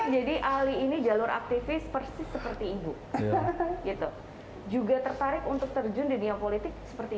jadi ini jalur aktivis persis seperti ibu juga tertarik untuk terjun di nilai politik seperti